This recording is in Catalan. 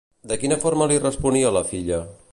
De quina forma li responia la filla?